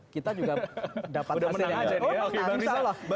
kita juga dapat hasilnya